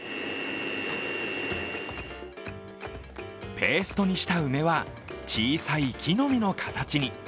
ペーストにした梅は小さい木の実の形に。